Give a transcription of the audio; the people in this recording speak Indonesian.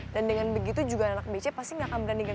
dan dengan begitu juga anak bc pasti gak akan berani ganteng